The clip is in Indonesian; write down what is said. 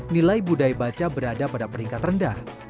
nilai budaya baca berada pada peringkat rendah